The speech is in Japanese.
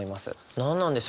何なんでしょうね？